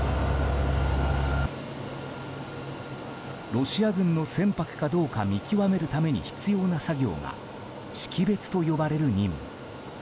ロシア軍の船舶かどうか見極めるために必要な作業が識別と呼ばれる任務。